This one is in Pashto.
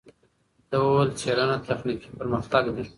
ده وویل، څېړنه تخنیکي پرمختګ دی.